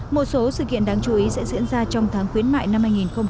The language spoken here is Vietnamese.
một số sự kiện đáng chú ý sẽ diễn ra trong tháng khuyến mại năm hai nghìn hai mươi